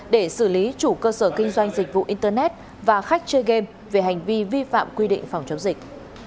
để xử lý chủ cơ sở kinh doanh dịch vụ internet và khách chơi game về hành vi vi phạm quy định phòng chống dịch